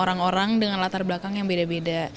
orang orang dengan latar belakang yang beda beda